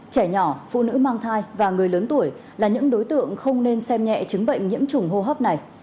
trẻ nhỏ phụ nữ mang thai và người lớn tuổi là những đối tượng không nên xem nhẹ chứng bệnh nhiễm trùng hô hấp này